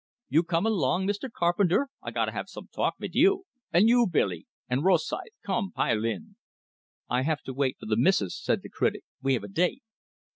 You come along, Mr. Carpenter, I gotta have some talk vit you. And you, Billy? And Rosythe come, pile in." "I have to wait for the missus," said the critic. "We have a date."